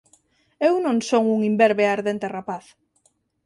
Eu non son un imberbe e ardente rapaz.